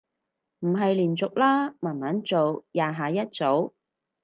唔係連續啦，慢慢做，廿下一組